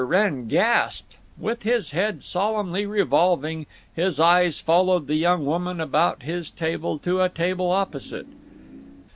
Wrenn gasped. With his head solemnly revolving, his eyes followed the young woman about his table to a table opposite.